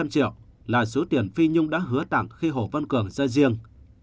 năm trăm linh triệu là số tiền phi nhung đã hứa tặng khi hồ văn cường ra riêng